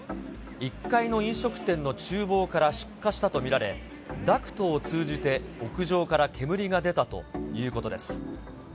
１階の飲食店のちゅう房から出火したと見られ、ダクトを通じて屋上から煙が出たということです。